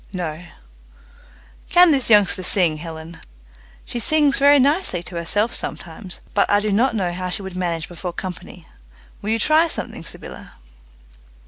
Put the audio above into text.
"No," "Can this youngster sing, Helen?" "She sings very nicely to herself sometimes, but I do not know how she would manage before company. Will you try something, Sybylla?"